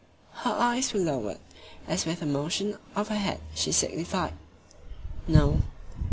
Her eyes were lowered, as with a motion of her head she signified "No."